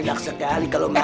enak sekali kalau makan ya